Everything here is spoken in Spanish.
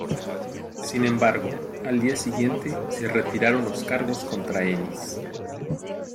Sin embargo, al día siguiente, se retiraron los cargos contra Ennis.